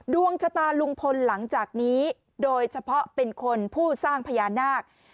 ดวงชะตาลุงพลหลังจากนี้โดยเฉพาะเป็นคนผู้สร้างพญานาค